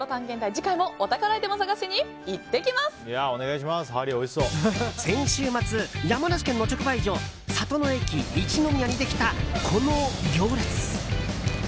次回もお宝アイテムを探しに先週末、山梨県の直売所里の駅いちのみやにできたこの行列。